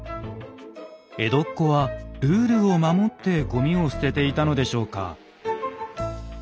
江戸っ子はルールを守ってごみを捨てていたのでしょうか？